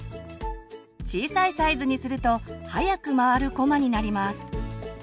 小さいサイズにすると速く回るこまになります。